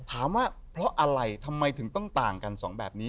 ถามว่าเพราะอะไรทำไมถึงต้องต่างกันสองแบบนี้